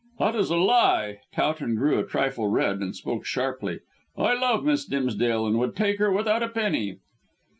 "That is a lie." Towton grew a trifle red and spoke sharply. "I love Miss Dimsdale, and would take her without a penny."